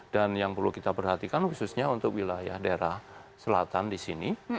dan yang perlu kita perhatikan khususnya untuk wilayah daerah selatan disini